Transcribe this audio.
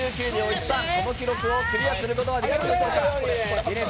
１３、この記録をクリアすることはできるんでしょうか。